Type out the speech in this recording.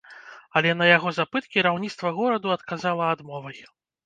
Але на яго запыт кіраўніцтва гораду адказала адмовай.